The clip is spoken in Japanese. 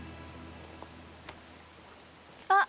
あっ！